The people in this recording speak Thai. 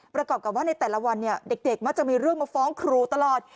ประกอบกับว่าในแต่ละวันเด็กมักจะมีเรื่องมาฟ้องครูตลอด